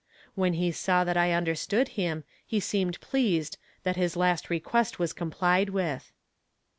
When he saw that I understood him he seemed pleased that his last request was complied with.